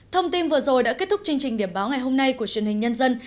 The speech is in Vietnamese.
thông tin vừa rồi đã kết thúc chương trình điểm báo ngày hôm nay của truyền hình nhân dân